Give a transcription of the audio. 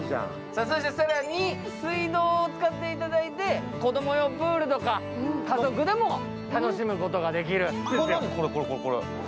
そして更に水道を使っていただいて子供用プールとか家族でも楽しむことができる。